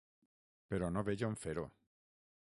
Però no veig on fer-ho.